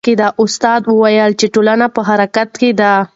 استاد وویل چې ټولنه په حرکت کې ده.